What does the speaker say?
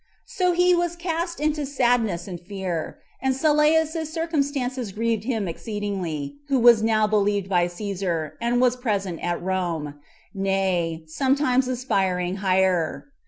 So he was cast into sadness and fear; and Sylleus's circumstances grieved him exceedingly, who was now believed by Cæsar, and was present at Rome, nay, sometimes aspiring higher.